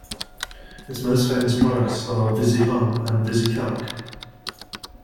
Its most famous products are Visi On and VisiCalc.